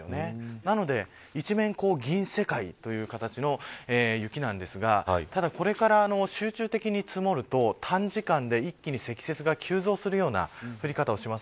なので、一面銀世界という形の雪なんですがただこれから、集中的に積もると短時間で一気に積雪が急増するような降り方をします。